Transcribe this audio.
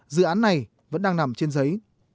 dự án này vẫn đang nằm trên giấy